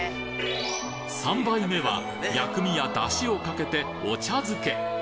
３杯目は薬味やだしをかけてお茶漬け。